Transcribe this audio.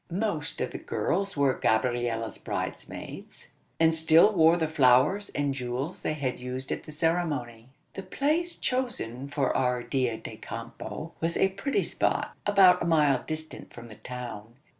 Most of the girls were Gabriella's bridesmaids, and still wore the flowers and jewels they had used at the ceremony. The place chosen for our dia de campo was a pretty spot, about a mile distant from the town.